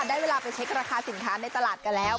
ได้เวลาไปเช็คราคาสินค้าในตลาดกันแล้ว